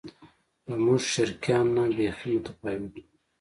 له موږ شرقیانو نه بیخي متفاوت و.